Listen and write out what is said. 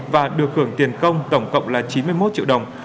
với tiền công tổng cộng là chín mươi một triệu đồng